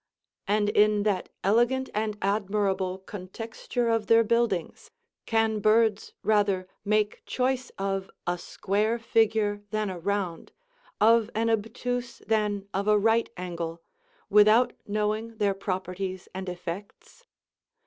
And in that elegant and admirable contexture of their buildings, can birds rather make choice of a square figure than a round, of an obtuse than of a right angle, without knowing their properties and effects?